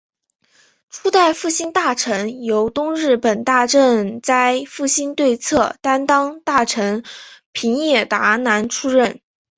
初代复兴大臣由东日本大震灾复兴对策担当大臣平野达男出任。